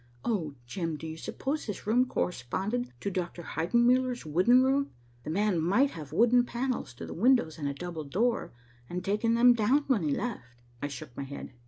Oh, Jim, do you suppose this room corresponded to Dr. Heidenmuller's wooden room? The man might have wooden panels to the windows and a double door, and taken them down when he left." I shook my head.